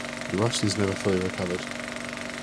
The Russians never fully recovered.